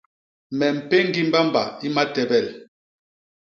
Me mpéñgi mbamba i matebel.